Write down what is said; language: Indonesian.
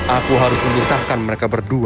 aku harus memisahkan mereka berdua